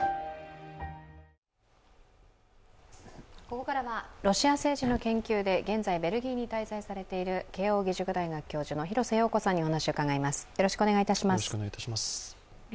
ここからはロシア政治の研究で現在ベルギーに滞在されている慶応義塾大学教授の廣瀬陽子さんにお話を伺います。